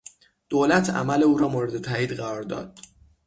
دولت عمل او را مورد تایید قرار داد.